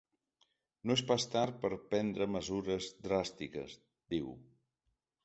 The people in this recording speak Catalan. No és pas tard per a prendre mesures dràstiques, diu.